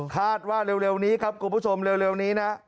คาดว่าเร็วนี้ครับคุณผู้ชมเร็วนี้นะ